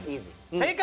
正解！